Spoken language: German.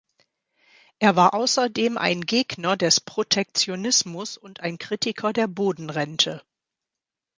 Er war außerdem ein Gegner des Protektionismus und ein Kritiker der Bodenrente.